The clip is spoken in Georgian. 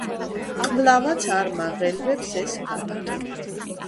კვლავაც არ მაღელვებს ეს ფაქტი.